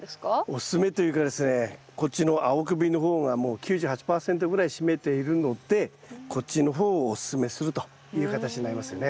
おすすめというかですねこっちの青首の方がもう９８％ぐらい占めているのでこっちの方をおすすめするという形になりますよね